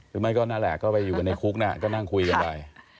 คือไม่ก็นั่นแหละก็ไปอยู่กันในคุกนะก็นั่งคุยกันไป